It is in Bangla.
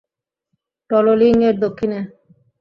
টলোলিং এর দক্ষিণে।